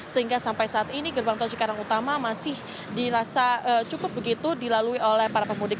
sehingga sampai saat ini gerbang tol cikarang utama masih dirasa cukup begitu dilalui oleh para pemudik